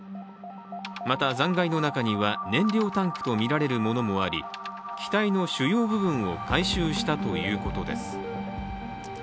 また、残骸の中には燃料タンクとみられるものもあり機体の主要部分を回収したということです。